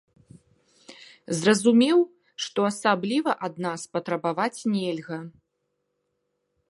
Зразумеў, што асабліва ад нас патрабаваць нельга.